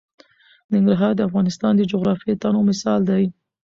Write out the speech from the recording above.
ننګرهار د افغانستان د جغرافیوي تنوع مثال دی.